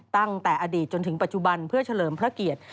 ตั้งแต่อดีตจนถึงปัจจุบันเพื่อเฉลิมพระเกียรติ